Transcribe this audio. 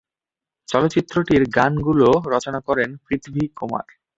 চলচ্চিত্রটির গানগুলো রচনা করেন পৃথ্বী কুমার।